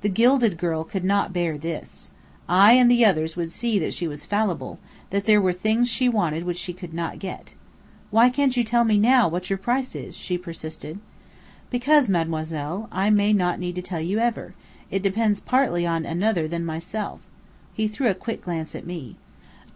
The Gilded Girl could not bear this. I and the others would see that she was fallible; that there were things she wanted which she could not get. "Why can't you tell me now what your price is?" she persisted. "Because, Mademoiselle, I may not need to tell you ever. It depends partly on another than myself." He threw a quick glance at me.